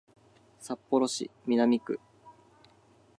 札幌市南区